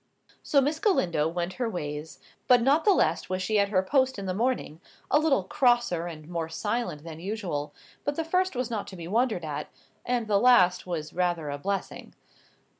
So Miss Galindo went her ways; but not the less was she at her post in the morning; a little crosser and more silent than usual; but the first was not to be wondered at, and the last was rather a blessing.